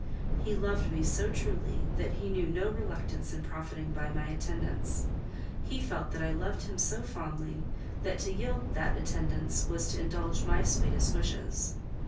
He loved me so truly, that he knew no reluctance in profiting by my attendance: he felt I loved him so fondly, that to yield that attendance was to indulge my sweetest wishes.